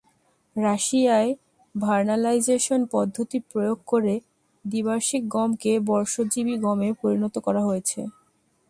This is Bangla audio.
রাশিয়ায় ভার্নালাইজেশন পদ্ধতি প্রয়োগ করে দ্বিবার্ষিক গমকে বর্ষজীবী গমে পরিণত করা হয়েছে।